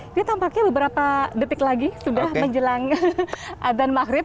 ini tampaknya beberapa detik lagi sudah menjelang adan mahrib